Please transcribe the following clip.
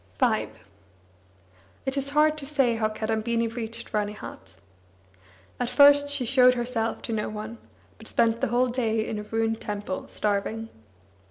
V It is hard to say how Kadambini reached Ranihat. At first she showed herself to no one, but spent the whole day in a ruined temple, starving.